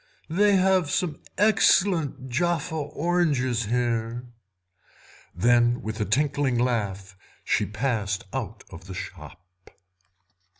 "They have some excellent Jaffa oranges here." Then with a tinkling laugh she passed out of the shop.